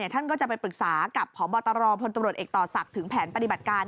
ท่านก็จะไปปรึกษากับพบตรพลตำรวจเอกต่อศักดิ์ถึงแผนปฏิบัติการ